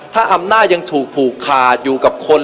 ถ้าอำนาจยังถูกผูกขาดอยู่กับคน